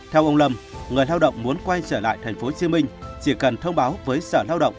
theo ông lâm người lao động muốn quay trở lại tp hcm chỉ cần thông báo với sở lao động